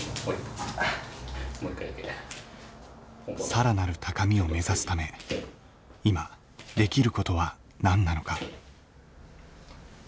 更なる高みを目指すため今できることは何なのか。